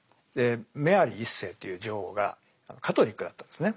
メアリー１世という女王がカトリックだったんですね。